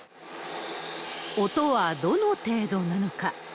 音はどの程度なのか。